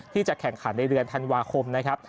ที่จะแข่งขันในเดือนธันวาคมนะครับ